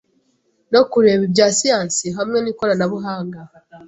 no kureba ibya siyansi.hamwe nikorana buhanga